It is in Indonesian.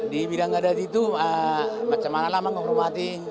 di bidang adat itu macam mana lah menghormati